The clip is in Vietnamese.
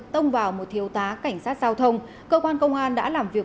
tông vào một thiếu tá cảnh sát giao thông cơ quan công an đã làm việc